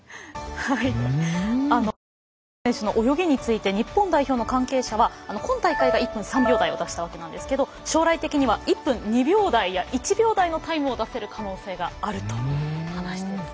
山口選手の泳ぎについて日本代表の関係者は今大会が１分３秒台を出したわけですが将来的には１分２秒台や１秒台のタイムを出せる可能性があると話していました。